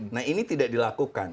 nah ini tidak dilakukan